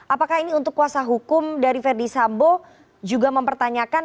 apakah ini untuk kuasa hukum dari verdi sambo juga mempertanyakan